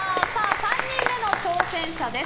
３人目の挑戦者です。